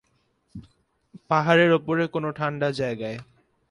পাহাড়ের ওপরে কোনো ঠাণ্ডা জায়গায়।